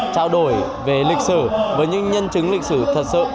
trao đổi về lịch sử với những nhân chứng lịch sử thật sự